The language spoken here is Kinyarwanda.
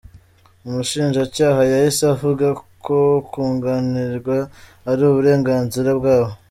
Umushinjacyaha yahise avuga ko kunganirwa ari uburenganzira bwabo.